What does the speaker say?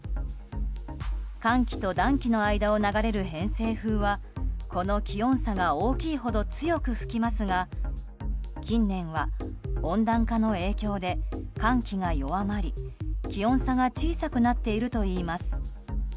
寒気と暖気の間を流れる偏西風はこの気温差が大きいほど強く吹きますが近年は温暖化の影響で寒気が弱まり、気温差が小さくなっているといいます。